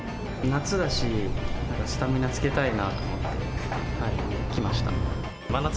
夏だし、なんかスタミナつけたいなと思って来ました。